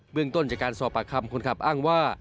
เรื่องต้นจากการสอบปากคำคนขับอ้างว่า